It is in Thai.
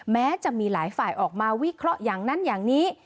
แม้จะมีหลายฝ่ายออกมาวิเคราะห์อย่างนั้นอย่างนี้